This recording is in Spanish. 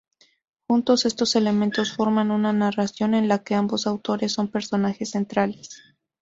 Juntos, estos elementos forman una narración en la que ambos autores son personajes centrales.